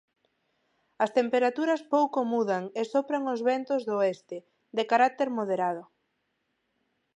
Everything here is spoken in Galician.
As temperaturas pouco mudan e sopran os ventos do oeste, de carácter moderado.